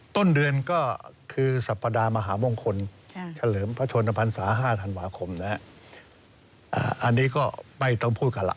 ต้นเดือนก็คือสัปดาห์มหามงคลใช่เฉลิมพระชนภัณฑ์ศาสตร์ห้าธันวาคมนะฮะอ่าอันนี้ก็ไม่ต้องพูดกันล่ะ